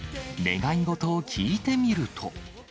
願い事を聞いてみると。